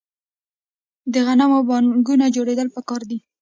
د غنمو بانکونه جوړیدل پکار دي.